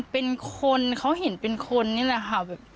เป็นคนเขาเห็นเป็นคนนี่แหละค่ะ